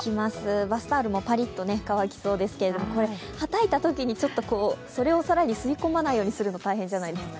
バスタオルもぱりっと乾きそうですけどはたいたときにそれを吸い込まないようにするの大変じゃないですか？